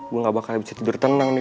gue gak bakal bisa tidur tenang nih